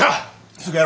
すぐやろ！